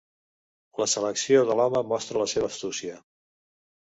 La selecció de l'home mostra la seva astúcia.